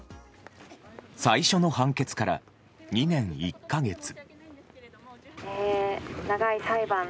最初の判決から２年１か月。